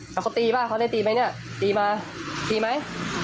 เขาตีป่ะเขาได้ตีมั้ยเนี่ยตีมาตีมั้ย